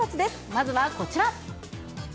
まずはこちら。